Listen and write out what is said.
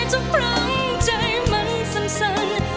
จากพร้อมใจมันสำสัก